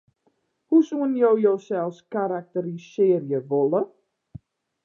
Hoe soenen jo josels karakterisearje wolle?